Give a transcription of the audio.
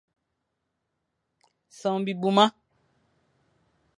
Son bibmuma.